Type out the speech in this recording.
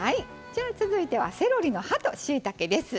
じゃあ続いてはセロリの葉としいたけです。